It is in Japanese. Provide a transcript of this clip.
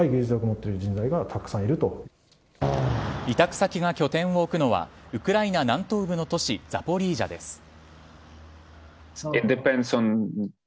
委託先が拠点を置くのはウクライナ南東部の都市ザポリージャです。